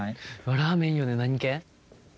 ラーメンいいよね何系？